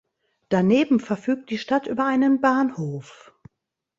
Daneben verfügt die Stadt über einen Bahnhof.